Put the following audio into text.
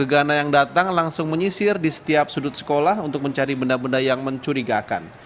wargana yang datang langsung menyisir di setiap sudut sekolah untuk mencari benda benda yang mencurigakan